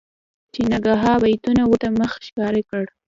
چې ناګاه بيتون ورته مخ ښکاره کړ.